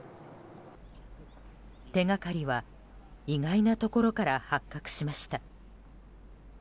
手掛かりは意外なところから発覚しました。